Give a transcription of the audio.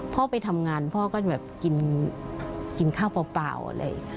พ่อไปทำงานพ่อก็แบบกินกินข้าวเปล่าอะไร